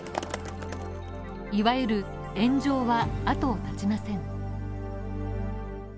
いわゆる炎上は後を絶ちません